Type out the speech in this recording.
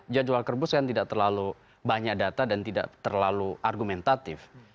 george walker bush kan tidak terlalu banyak data dan tidak terlalu argumentatif